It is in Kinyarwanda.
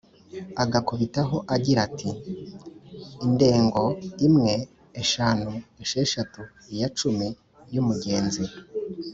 agakubitaho agira ati:”Indengo imwe, eshanu, esheshatu, iya cumi y’umugenzi.